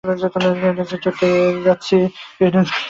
কেইডেন্সকে চুদতে যাচ্ছি কেইডেন্স কে চুদতে যাচ্ছি।